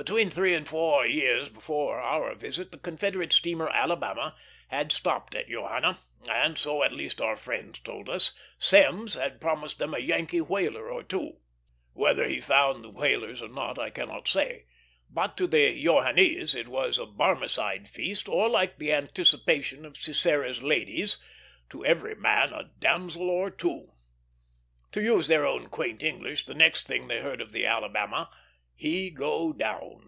Between three and four years before our visit, the Confederate steamer Alabama had stopped at Johanna, and, so at least our friends told us, Semmes had promised them a Yankee whaler or two. Whether he found the whalers or not I cannot say; but to the Johannese it was a Barmecide feast, or like the anticipation of Sisera's ladies "to every man a damsel or two." To use their own quaint English, the next thing they heard of the Alabama, "he go down."